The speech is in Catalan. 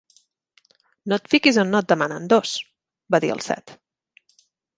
'No et fiquis on no et demanen, Dos!', va dir el Set.